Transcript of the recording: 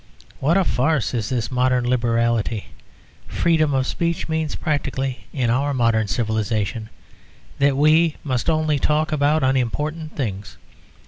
What a farce is this modern liberality! Freedom of speech means practically, in our modern civilisation, that we must only talk about unimportant things.